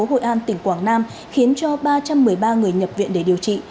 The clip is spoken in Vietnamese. phố hội an tỉnh quảng nam khiến cho ba trăm một mươi ba người nhập viện để điều trị